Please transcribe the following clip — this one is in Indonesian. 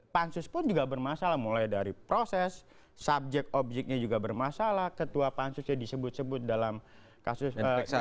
pansus pun juga bermasalah mulai dari proses subjek objeknya juga bermasalah ketua pansusnya disebut sebut dalam kasus ini